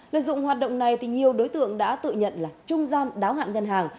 lợi dụng hoạt động này thì nhiều đối tượng đã tự nhận là trung gian đáo hạn ngân hàng